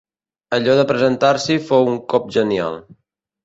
Allò de presentar-s'hi fou un cop genial.